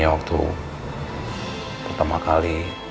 pada waktu pertama kali